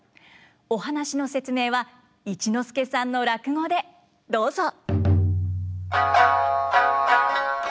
お話の説明は一之輔さんの落語でどうぞ。